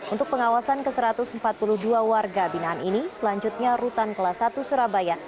untuk pengawasan ke satu ratus empat puluh dua warga binaan ini selanjutnya rutan kelas satu surabaya